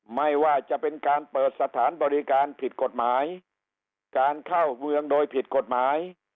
ไม่ว่าจะเป็นการเปิดสถานบริการผิดกฎหมายการเข้าเมืองโดยผิดกฎหมาย